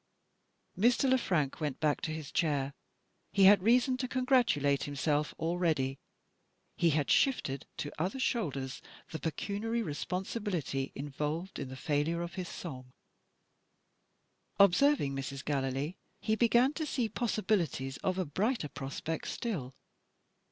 Mr. Le Frank went back to his chair. He had reason to congratulate himself already: he had shifted to other shoulders the pecuniary responsibility involved in the failure of his Song. Observing Mrs. Gallilee, he began to see possibilities of a brighter prospect still.